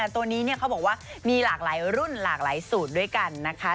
ตัวนี้เขาบอกว่ามีหลากหลายรุ่นหลากหลายสูตรด้วยกันนะคะ